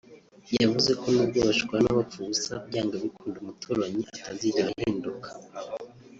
yavuze ko nubwo bashwana bapfa ubusa byanga bikunda umuturanyi atazigera ahinduka